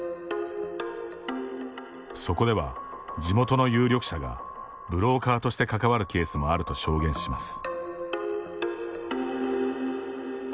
そこでは、地元の有力者がブローカーとして関わるケースもあると証言します。